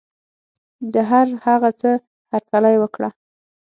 د هر هغه څه هرکلی وکړه.